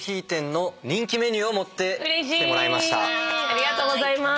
ありがとうございます。